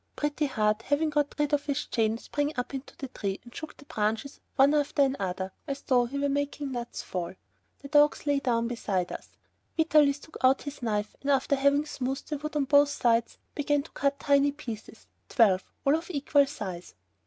Pretty Heart, having got rid of his chain, sprang up into a tree and shook the branches one after the other, as though he were making nuts fall. The dogs lay down beside us. Vitalis took out his knife and, after having smoothed the wood on both sides, began to cut tiny pieces, twelve all of equal size.